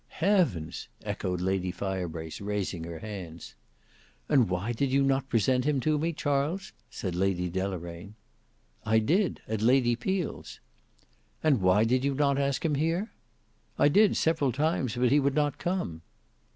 "Heavens!" echoed Lady Firebrace raising her hands. "And why did you not present him to me, Charles," said Lady Deloraine. "I did; at Lady Peel's." "And why did you not ask him here?" "I did several times; but he would not come."